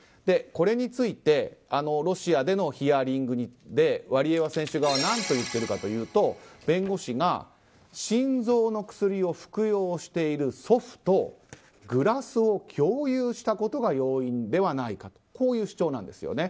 これについてロシアでのヒアリングでワリエワ選手側は何と言っているかというと弁護士が心臓の薬を服用している祖父とグラスを共有したことが要因ではないかという主張何です。